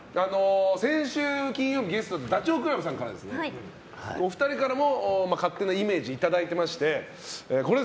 先週金曜日のゲストのダチョウ倶楽部さんからお二人からも勝手なイメージいただいています。